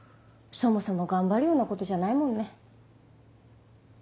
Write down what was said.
そもそも頑張るようなことじゃないもんね。